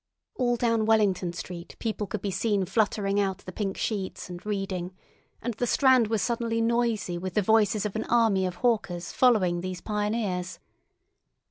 All down Wellington Street people could be seen fluttering out the pink sheets and reading, and the Strand was suddenly noisy with the voices of an army of hawkers following these pioneers.